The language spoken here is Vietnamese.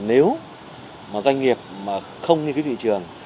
nếu doanh nghiệp mà không nghiên cứu thị trường